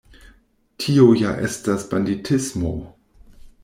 Tio ja estas banditismo!